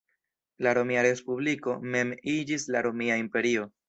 La Romia Respubliko mem iĝis la Romia Imperio.